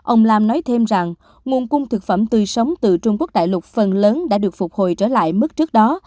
ông lam nói thêm rằng nguồn cung thực phẩm tươi sống từ trung quốc đại lục phần lớn đã được phục hồi trở lại mức trước đó